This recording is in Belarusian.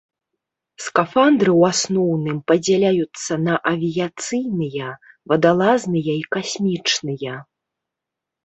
Скафандры ў асноўным падзяляюцца на авіяцыйныя, вадалазныя і касмічныя.